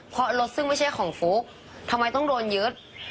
เพราะรถซึ่งไม่ใช่ของฟุ๊กทำไมต้องโดนยึด